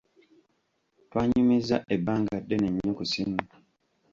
Twanyumizza ebbanga ddene nnyo ku ssimu.